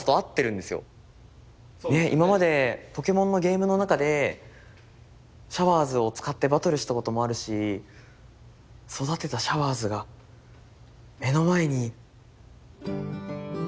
今までポケモンのゲームの中でシャワーズを使ってバトルしたこともあるし育てたシャワーズが目の前に。